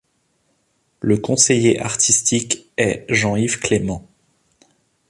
Le conseiller artistique est Jean-Yves Clément.